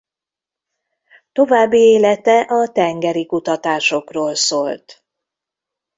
További élete a tengeri kutatásokról szólt.